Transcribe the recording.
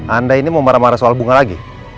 anda ini mau marah marah soal bunga lagi